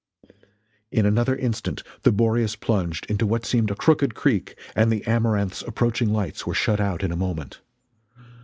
In another instant the Boreas plunged into what seemed a crooked creek, and the Amaranth's approaching lights were shut out in a moment.